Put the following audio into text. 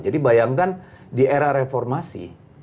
jadi bayangkan di era reformasi